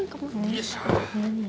よいしょ。